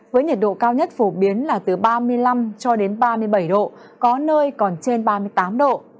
với nhiệt độ cao nhất phổ biến là từ ba mươi năm cho đến ba mươi bảy độ có nơi còn trên ba mươi tám độ